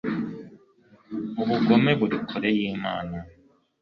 ubugome buri kure y'imana